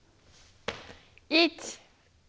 １。